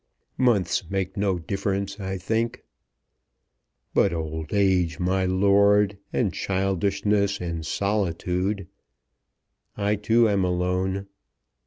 "Months make no difference, I think." "But old age, my lord, and childishness, and solitude " "I, too, am alone."